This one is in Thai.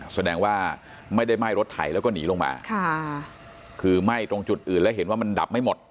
แสดงว่าไม่ได้ไหม้รถไถแล้วก็หนีลงมาค่ะคือไหม้ตรงจุดอื่นแล้วเห็นว่ามันดับไม่หมด